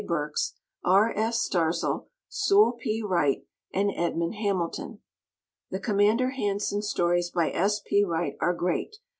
Burks, R. F. Starzl, Sewell P. Wright and Edmond Hamilton. The Commander Hanson stories by S. P. Wright are great.